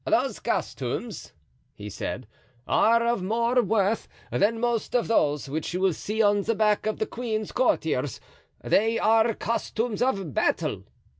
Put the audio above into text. "Those costumes," he said, "are of more worth than most of those which you will see on the backs of the queen's courtiers; they are costumes of battle."